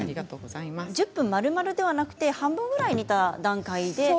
１０分まるまるではなく半分ぐらい煮た段階で。